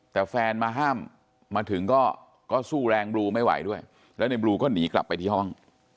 แต่แฟนมาห้ามมาถึงก็สู้แรงบลูไม่ไหวด้วยแล้วในบลูก็หนีกลับไปที่ห้อง